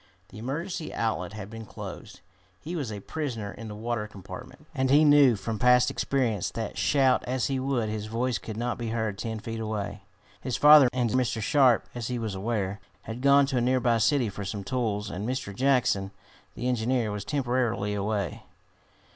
The emergency outlet had been closed! He was a prisoner in the water compartment, and he knew, from past experience, that shout as he would, his voice could not be heard ten feet away. His father and Mr. Sharp, as he was aware, had gone to a nearby city for some tools, and Mr. Jackson, the engineer, was temporarily away.